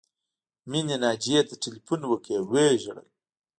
مینې ناجیې ته ټیلیفون وکړ او وژړل